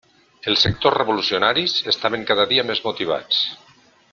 Els sectors revolucionaris estaven cada dia més motivats.